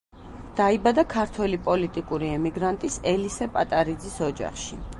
დაიბადა ქართველი პოლიტიკური ემიგრანტის, ელისე პატარიძის ოჯახში.